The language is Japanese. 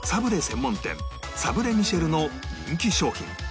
専門店サブレミシェルの人気商品